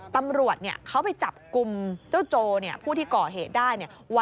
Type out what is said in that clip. ตำรวจเขาไปจับกลุ่มเจ้าโจผู้ที่ก่อเหตุได้